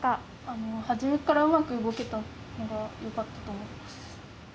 あの初めっからうまく動けたのがよかったと思います。